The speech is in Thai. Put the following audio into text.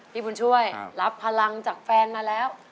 พี่บุญช่วยรับพลังจากแฟนมาแล้ว